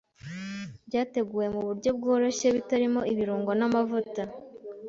byateguwe mu buryo bworoshye, bitarimo ibirungo n’amavuta.